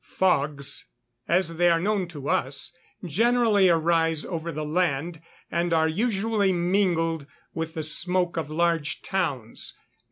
_ Fogs, as they are known to us, generally arise over the land, and are usually mingled with the smoke of large towns.